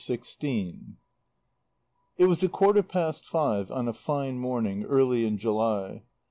XVI It was a quarter past five on a fine morning, early in July.